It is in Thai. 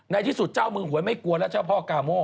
ในที่สุดเจ้ามือหวยไม่กลัวแล้วเจ้าพ่อกาโม่